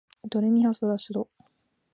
ドレミファソラシド